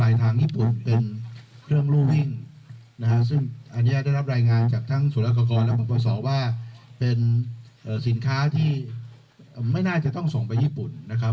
ทางญี่ปุ่นเป็นเครื่องรูวิ่งนะฮะซึ่งอันนี้ได้รับรายงานจากทั้งศูนยากกรและปปศว่าเป็นสินค้าที่ไม่น่าจะต้องส่งไปญี่ปุ่นนะครับ